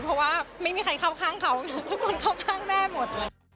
เพราะว่าไม่มีใครข้างเขาทุกคนข้างแม่หมด